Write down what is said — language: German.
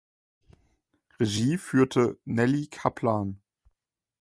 Regie führte Nelly Kaplan.